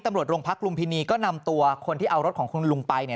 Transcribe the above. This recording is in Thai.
ตำรวจโรงพักลุมพินีก็นำตัวคนที่เอารถของคุณลุงไปเนี่ย